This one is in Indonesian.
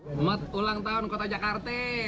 selamat ulang tahun kota jakarta